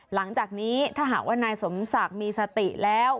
หลังจากนี้ถ้าหากว่านายสมศักดิ์มีสติแล้ว